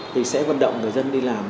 thì sẽ vận động người dân đi làm